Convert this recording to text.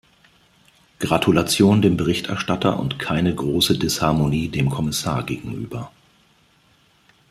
Gratulation dem Berichterstatter und keine große Disharmonie dem Kommissar gegenüber.